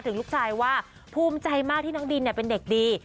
ถึงลูกชายว่าภูมิใจมากที่น้องดินเป็นเด็กดี